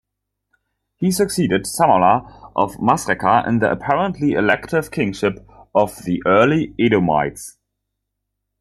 He succeeded Samlah of Masrekah in the apparently elective kingship of the early Edomites.